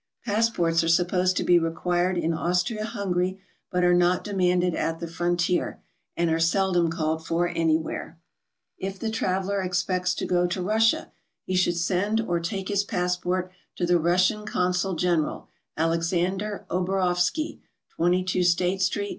Passports are supposed to be required in Austria Hungary, but are not demanded at the frontier, and are sel dom called for anywhere. If the traveler expects to go to Russia, should send or take his passport to the Russian Consul General, Alexander Obarovsky, 22 State street.